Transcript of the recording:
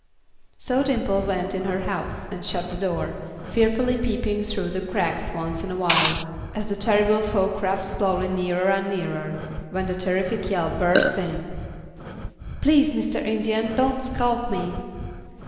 So Dimple went in her house and shut the door, fearfully peeping through the cracks once in a while, as the terrible foe crept softly nearer and nearer, then with a terrific yell burst in. "Please, Mr. Indian, don't scalp me."